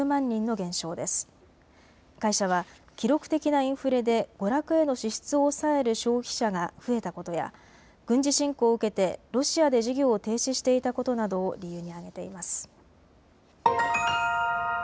会社は記録的なインフレで娯楽への支出を抑える消費者が増えたことや軍事侵攻を受けてロシアで事業を停止していたことなどを理由に挙げています。